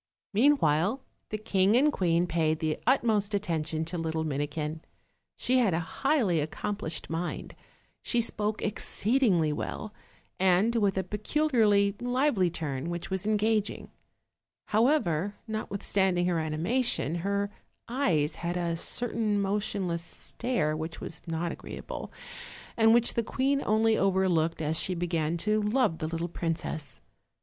Meanwhile, the king and queen paid the utmost atten tion to the little Minikin; she had a highly accomplished mind, she spoke exceedingly well, and with a peculiarly lively turn, which was engaging; however, notwithstand ing her animation, her eyes had a certain motionless stare which was lot agreeable, and which the queen only overlooked as she began to love the little princess.